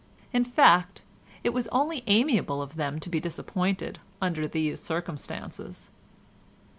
In fact, it was only amiable of them to be disappointed under these circumstances.